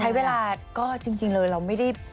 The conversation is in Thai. ใช้เวลาก็จริงเลยเราไม่ได้